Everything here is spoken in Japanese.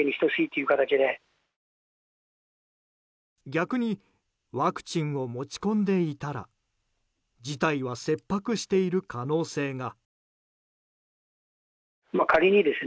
逆にワクチンを持ち込んでいたら事態は切迫している可能性が。